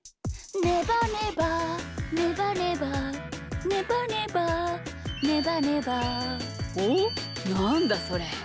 「ねばねばねばねば」「ねばねばねばねば」おっなんだそれ？